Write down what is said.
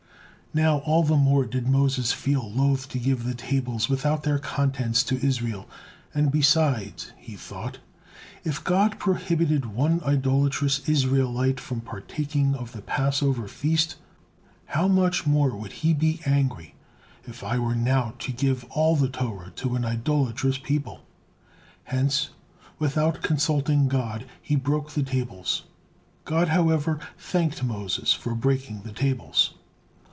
Now all the more did Moses feel loath to give the tables without their contents to Israel, and besides he thought: "If God prohibited one idolatrous Israelite from partaking of the Passover feast, how much more would He be angry if I were now to give all the Torah to an idolatrous people?" Hence, without consulting God, he broke the tables. God, however, thanked Moses for breaking the tables.